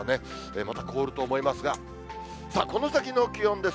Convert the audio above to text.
また凍ると思いますが、さあ、この先の気温です。